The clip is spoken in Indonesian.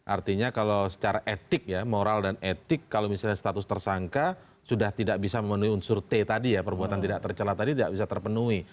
artinya kalau secara etik ya moral dan etik kalau misalnya status tersangka sudah tidak bisa memenuhi unsur t tadi ya perbuatan tidak tercelah tadi tidak bisa terpenuhi